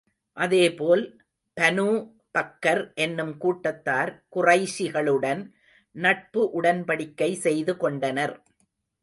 அதேபோல், Banu Bakr என்னும் கூட்டத்தார் குறைஷிகளுடன் நட்பு உடன்படிக்கை செய்து கொண்டனர்.